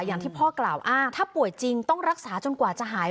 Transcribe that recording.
อย่างที่พ่อกล่าวอ้างถ้าป่วยจริงต้องรักษาจนกว่าจะหาย